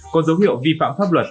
có dấu hiệu vi phạm pháp luật